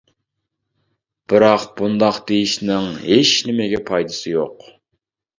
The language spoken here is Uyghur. بىراق، بۇنداق دېيىشنىڭ ھېچنېمىگە پايدىسى يوق.